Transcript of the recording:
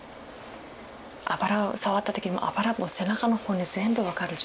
あばらを触った時にあばら背中の骨全部分かる状態。